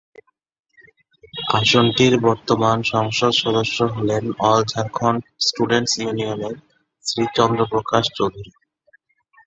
আসনটির বর্তমান সংসদ সদস্য হলেন অল ঝাড়খণ্ড স্টুডেন্টস ইউনিয়ন-এর শ্রী চন্দ্র প্রকাশ চৌধুরী।